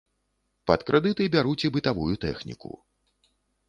Пад крэдыты бяруць і бытавую тэхніку.